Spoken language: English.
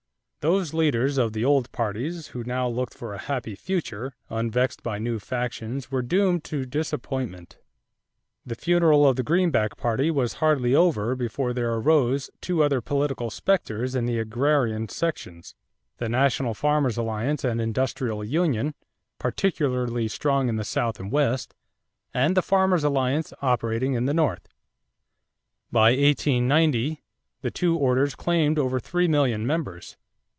= Those leaders of the old parties who now looked for a happy future unvexed by new factions were doomed to disappointment. The funeral of the Greenback party was hardly over before there arose two other political specters in the agrarian sections: the National Farmers' Alliance and Industrial Union, particularly strong in the South and West; and the Farmers' Alliance, operating in the North. By 1890 the two orders claimed over three million members.